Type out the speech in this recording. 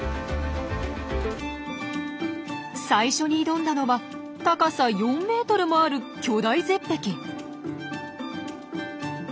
最初に挑んだのは高さ４ｍもある巨大絶壁。